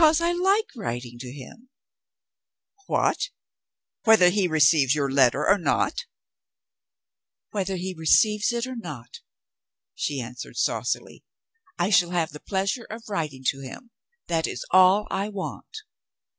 "Because I like writing to him. "What! whether he receives your letter or not?" "Whether he receives it or not," she answered saucily, "I shall have the pleasure of writing to him that is all I want."